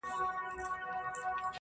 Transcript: خو په کار د عاشقی کي بې صبري مزه کوینه-